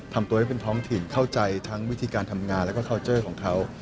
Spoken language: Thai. ทำตัวให้เป็นท้องถิ่นเข้าใจทั้งวิธีการทำงานแล้วก็เคานเจอร์ของเขา